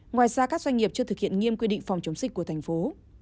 ngoài ra các doanh nghiệp chưa thực hiện nghiêm quy định phòng chống dịch của thành phố